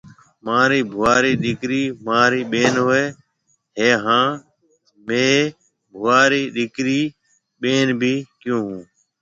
مهارِي ڀوُئا رِي ڏِيڪرِِي مهاريَ ٻين هوئيَ هيَ هانَ مهيَ ڀوُئا رِي ڏِيڪرِي ٻين ڀِي ڪيون هون۔